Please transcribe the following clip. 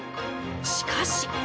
しかし。